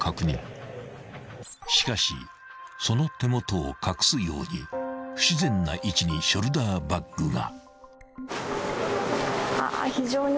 ［しかしその手元を隠すように不自然な位置にショルダーバッグが］